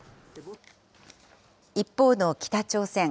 一方の北朝鮮。